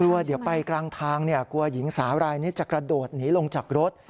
กลัวเดี๋ยวไปกลางทางกลัวหญิงสาวรายนี้จะกระโดดหนีลงจากรถ